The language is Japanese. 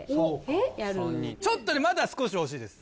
ちょっとねまだ少し惜しいです。